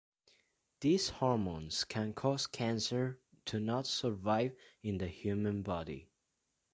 These hormones can cause cancer to not survive in the human body.